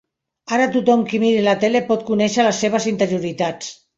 Ara tothom qui miri la tele pot conèixer les seves interioritats.